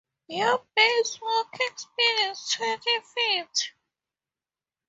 Your base walking speed is twenty feet.